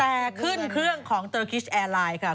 แต่ขึ้นเครื่องของเตอร์คิสแอร์ไลน์ค่ะ